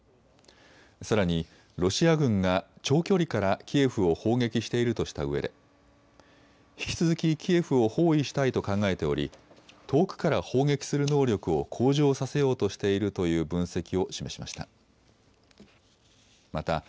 さらにロシア軍が長距離からキエフを砲撃しているとしたうえで引き続きキエフを包囲したいと考えており遠くから砲撃する能力を向上させようとしているという分析を示しました。